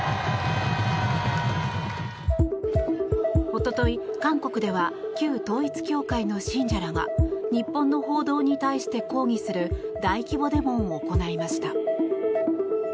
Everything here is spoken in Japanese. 一昨日、韓国では旧統一教会の信者らが日本の報道に対して抗議する大規模デモを行いました。